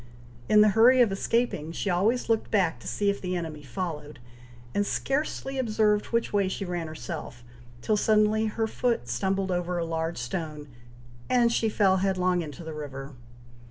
In the hurry of escaping, she always looked back to see if the enemy followed, and scarcely observed which way she ran herself, till suddenly her foot stumbled over a large stone, and she fell headlong into the river!